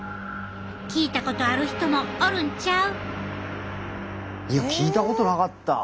聞いたことある人もおるんちゃう？